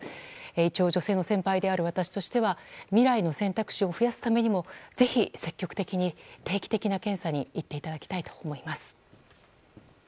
一応、女性の先輩である私としては未来の選択肢を増やすためにもぜひ積極的に定期的な検査に行っていただきたいと思います。